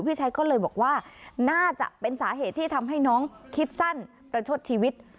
พี่ชัยก็เลยบอกว่าน่าจะเป็นสาเหตุที่ทำให้น้องคิดสั้นประชดชีวิต